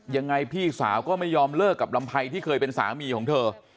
ยังไงพี่สาวก็ไม่ยอมเลิกกับลำไพรที่เคยเป็นสามีของเธอ